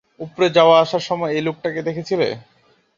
উপরে যাওয়া আসার সময় এই লোকটাকে দেখেছিলে?